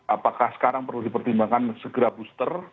apakah sekarang perlu dipertimbangkan segera booster